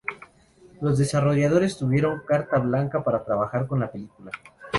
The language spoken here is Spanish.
Los desarrolladores tuvieron carta blanca para trabajar con la película.